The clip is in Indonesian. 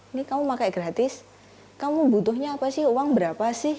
ini kamu pakai gratis kamu butuhnya apa sih uang berapa sih